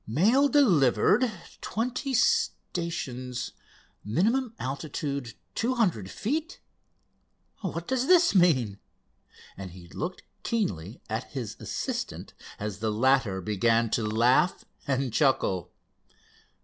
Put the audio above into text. "'Mail delivered—twenty stations, minimum altitude two hundred feet'—what does that mean?" and he looked keenly at his assistant as the latter began to laugh and chuckle.